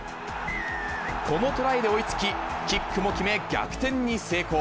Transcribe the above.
このトライで追いつき、キックも決め、逆転に成功。